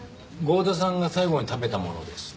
郷田さんが最後に食べたものです。